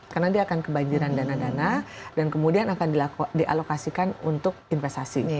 karena dia akan kebanjiran dana dana dan kemudian akan dialokasikan untuk investasi